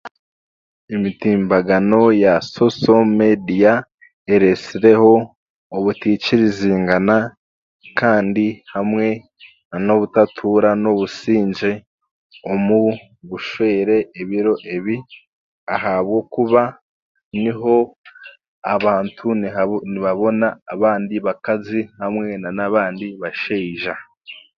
Emitimbagano ya sosomeediya ereetsireho obutaikirizingana kandi hamwe n'obutatuura n'obusingye omu bushwere ebiro ebi ahabwokuba niho abantu niha nibabona abandi bakazi n'abandi bashaija